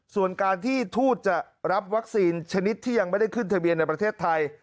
ส่วนการที่ทูตจะรับวัคซีนชนิดที่ยังไม่ได้ขึ้นทะเบียนในประเทศไทย